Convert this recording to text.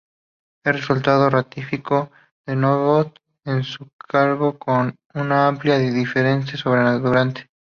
El resultado ratificó a Nebot en su cargo con una amplia diferencia sobre Duarte.